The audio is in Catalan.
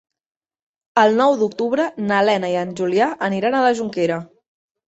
El nou d'octubre na Lena i en Julià aniran a la Jonquera.